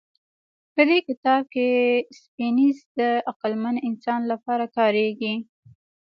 په دې کتاب کې سیپینز د عقلمن انسان لپاره کارېږي.